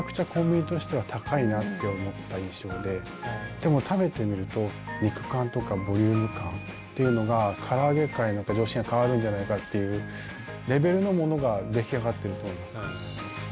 でも食べてみると肉感とかボリューム感っていうのがから揚げ界の常識が変わるんじゃないかっていうレベルのものが出来上がっていると思います。